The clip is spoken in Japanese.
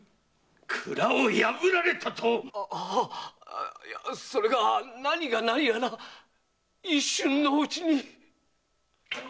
蔵を破られたと⁉いやそれが何が何やら一瞬のうちに！